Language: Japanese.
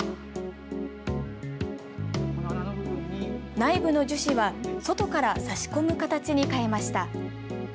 内部の樹脂は外から差し込む形に変えました。